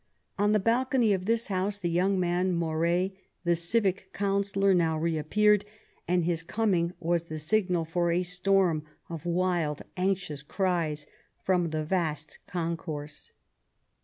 On the balcony of this house the young man, Moret, the Civic Councillor, now reappeared, and his coming was the signal for a storm of wild, anxious cries from the vast concourse.